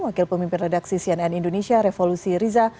wakil pemimpin redaksi cnn indonesia revolusi riza